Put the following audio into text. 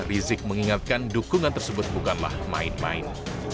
rizik mengingatkan dukungan tersebut bukanlah main main